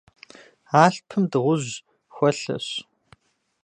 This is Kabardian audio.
Алъпым дыгъужь хуэлъэщ.